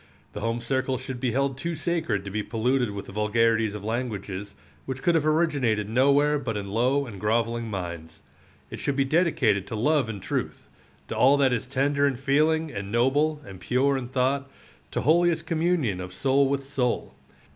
The home circle should be held too sacred to be polluted with the vulgarities of languages, which could have originated nowhere but in low and groveling minds. It should be dedicated to love and truth, to all that is tender in feeling and noble and pure in thought, to holiest communion of soul with soul.